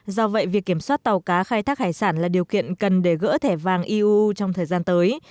do vậy việc kiểm soát tàu cá khai thác hải sản là điều kiện cần để gỡ thẻ vàng eu trong thời gian tới